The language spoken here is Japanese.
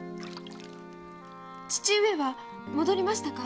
父上は戻りましたか？